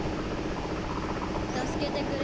たすけてくれ。